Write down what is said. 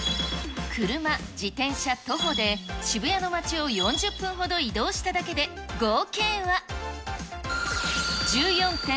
車、自転車、徒歩で渋谷の街を４０分ほど移動しただけで、合計は。